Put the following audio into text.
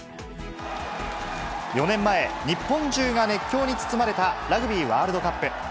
４年前、日本中が熱狂に包まれたラグビーワールドカップ。